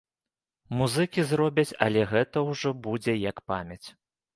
Музыкі зробяць, але гэта ўжо будзе як памяць.